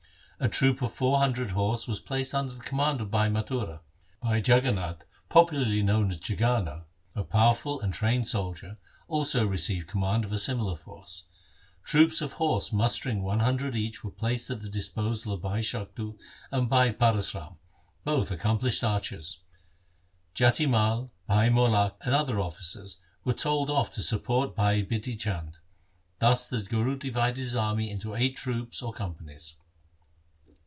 A troop of four hundred horse was placed under the command of Bhai Mathura. Bhai Jagannath, popularly knownas Jagana, a power ful and trained soldier, also received command of a similar force. Troops of horse mustering one hundred each were placed at the disposal of Bhai Shaktu and Bhai Paras Ram, both accomplished archers. Jati Mai, Bhai Molak and other officers were told off to support Bhai Bidhi Chand. Thus the Guru divided his army into eight troops or companies.